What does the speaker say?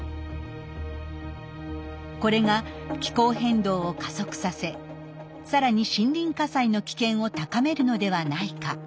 これが気候変動を加速させさらに森林火災の危険を高めるのではないか。